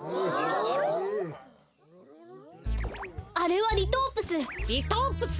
あれはリトープス！